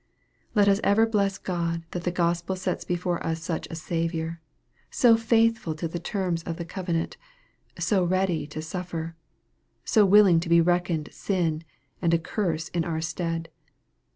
Let us ever bless God that the Gospel sets before us such a Saviour, so faithful to the terms of the covenant so ready to suffer so willing to be reckoned sin, and a curse in our stead.